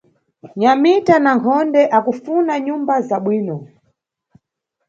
Nyamita na Nkhonde akufuna nyumba za bwino